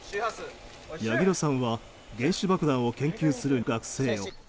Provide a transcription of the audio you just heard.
柳楽さんは原子爆弾を研究する学生を。